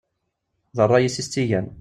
D ṛṛay-is i yas-tt-igan.